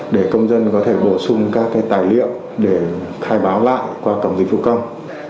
để công dân có thể bổ sung các tài liệu để khai báo lại qua cổng dịch vụ công